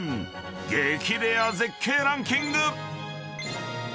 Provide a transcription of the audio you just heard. ［激レア絶景ランキング！］